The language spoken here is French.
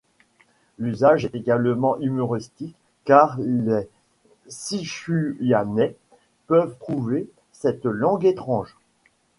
L'usage est également humoristique, car les Sichuiannais peuvent trouver cette langue étrange.